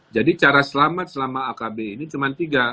jadi cara selamat selama akb ini cuma tiga